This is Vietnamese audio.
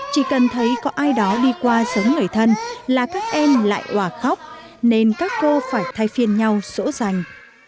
chỉ cần thấy có ai đó đi qua giống người thân là các em lại quả khóc nên các cô phải thay phiên nhau sỗ rành